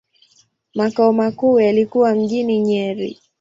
Makao makuu yalikuwa mjini Nyeri.